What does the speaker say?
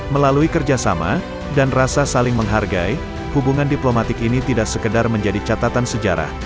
melalui kerjasama dan rasa saling menghargai hubungan diplomatik ini tidak sekedar menjadi catatan sejarah